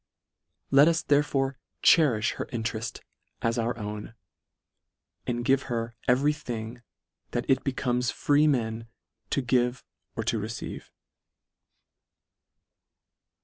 " Let us therefore cherilh her intereft " as our own, and give her every thing " that it becomes FREEMEN to give or " to receive."